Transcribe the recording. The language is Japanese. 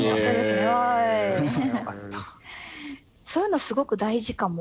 そういうのすごく大事かも。